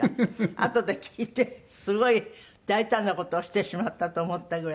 あとで聞いてすごい大胆な事をしてしまったと思ったぐらい。